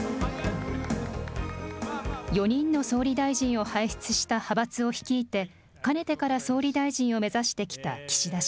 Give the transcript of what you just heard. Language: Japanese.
４人の総理大臣を輩出した派閥を率いて、かねてから総理大臣を目指してきた岸田氏。